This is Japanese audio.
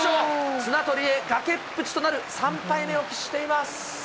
綱取りへ崖っぷちとなる３敗目を喫しています。